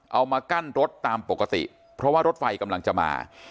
เอามากั้นรถตามปกติเพราะว่ารถไฟกำลังจะมา